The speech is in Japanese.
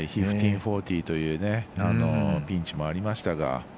１５−４０というピンチもありましたが。